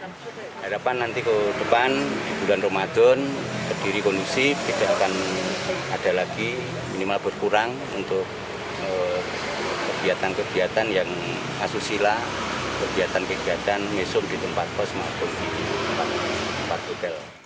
harapan nanti ke depan di bulan ramadan berdiri kondusif tidak akan ada lagi minimal berkurang untuk kegiatan kegiatan yang asusila kegiatan kegiatan mesum di tempat pos maupun di tempat hotel